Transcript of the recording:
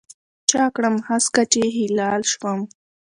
چا کړم هسکه چې هلال شوم